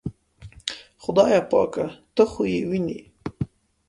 خدایه پاکه ته خو یې وینې.